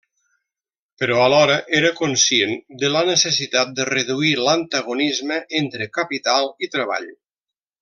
Però alhora era conscient de la necessitat de reduir l'antagonisme entre capital i treball.